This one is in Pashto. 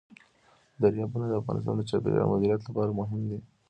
دریابونه د افغانستان د چاپیریال د مدیریت لپاره مهم دي.